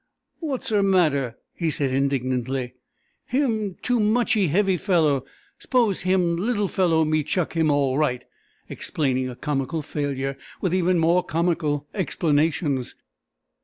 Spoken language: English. "What's 'er matter!" he said indignantly. "Him too muchee heavy fellow. S'pose him little fellow me chuck him all right," explaining a comical failure with even more comical explanations.